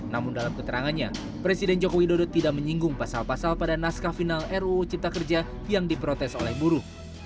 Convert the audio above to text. namun dalam keterangannya presiden jokowi dodo tidak menyinggung pasal pasal pada naskah final ruu cipta kerja yang diprotes oleh buruh